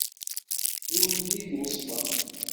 Ur ten-id-weṣṣfeɣ.